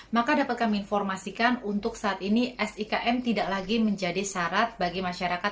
maka dapat kami informasikan untuk saat ini sikm tidak lagi menjadi syarat bagi masyarakat